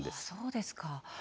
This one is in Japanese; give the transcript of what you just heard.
そうですか。